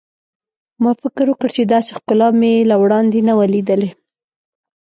ما فکر وکړ چې داسې ښکلا مې له وړاندې نه وه لیدلې.